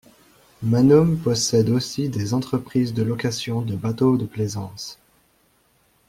Mannum possède aussi des entreprises de location de bateaux de plaisance.